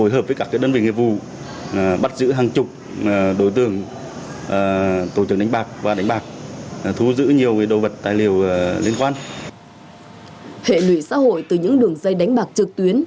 hệ lụy xã hội từ những đường dây đánh bạc trực tuyến